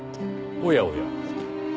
おやおや。